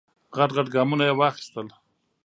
غټ غټ ګامونه یې واخیستل.